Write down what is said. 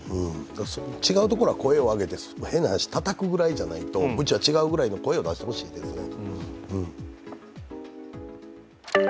違うところが声を上げてたたくくらいじゃないと、うちは違うぐらいの声を上げてほしいですね。